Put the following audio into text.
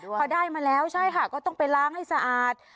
พอได้มาแล้วใช่ค่ะก็ต้องไปล้างให้สะอาด